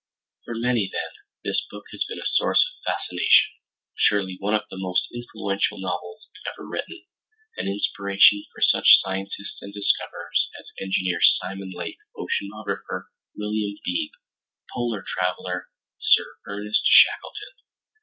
For many, then, this book has been a source of fascination, surely one of the most influential novels ever written, an inspiration for such scientists and discoverers as engineer Simon Lake, oceanographer William Beebe, polar traveler Sir Ernest Shackleton.